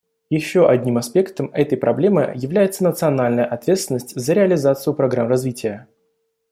Еще одним аспектом этой проблемы является национальная ответственность за реализацию программ развития.